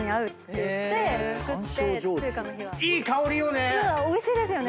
いい香りよね。